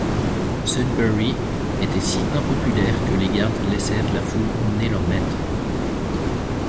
Sudbury était si impopulaire que les gardes laissèrent la foule emmener leur maître.